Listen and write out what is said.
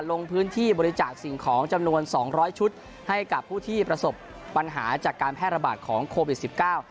ลงพื้นที่บริจาคสิ่งของจำนวนสองร้อยชุดให้กับผู้ที่ประสบปัญหาจากการแพร่ระบาดของโควิดสิบเก้า